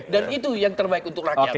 dan itu yang terbaik untuk rakyat